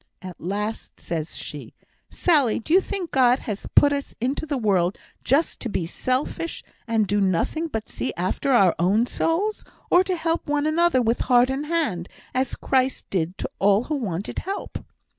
At last, says she, 'Sally, do you think God has put us into the world just to be selfish, and do nothing but see after our own souls? or to help one another with heart and hand, as Christ did to all who wanted help?'